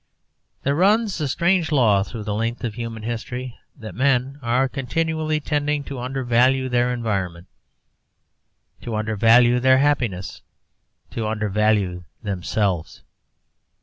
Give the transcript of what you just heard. There runs a strange law through the length of human history that men are continually tending to undervalue their environment, to undervalue their happiness, to undervalue themselves.